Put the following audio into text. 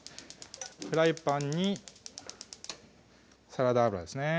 フライパンにサラダ油ですね